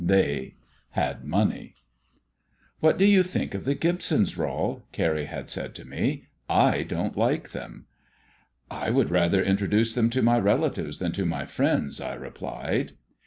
They had money. "What do you think of the Gibsons, Rol?" Carrie had said to me; "I don't like them." "I would rather introduce them to my relatives than to my friends," I replied.